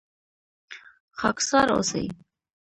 خاکسار اوسئ